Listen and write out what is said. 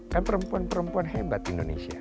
kan perempuan perempuan hebat di indonesia